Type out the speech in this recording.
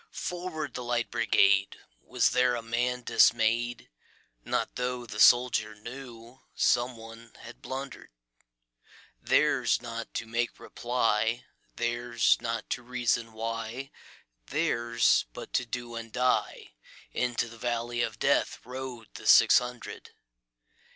"Forward, the Light Brigade!"Was there a man dismay'd? Not tho' the soldier knewSome one had blunder'd:Theirs not to make reply, Theirs not to reason why, Theirs but to do and die:Into the valley of DeathRode the six hundred.